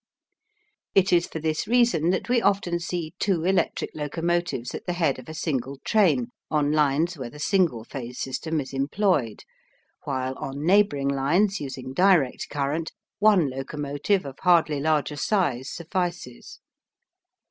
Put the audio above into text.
It is for this reason that we often see two electric locomotives at the head of a single train on lines where the single phase system is employed, while on neighboring lines using direct current, one locomotive of hardly larger size suffices.